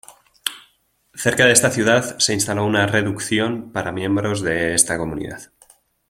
Cerca de esta ciudad se instaló una reducción para miembros de esta comunidad.